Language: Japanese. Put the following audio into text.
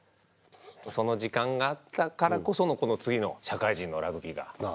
その時間があったからこそのこの次の社会人のラグビーがあったのかもしれない。